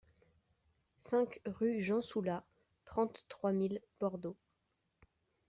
cinq rue Jean Soula, trente-trois mille Bordeaux